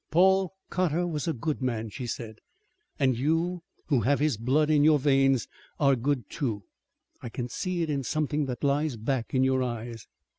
"Paul Cotter was a good man," she said, "and you who have his blood in your veins are good, too. I can see it in something that lies back in your eyes."